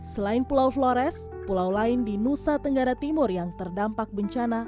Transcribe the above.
selain pulau flores pulau lain di nusa tenggara timur yang terdampak bencana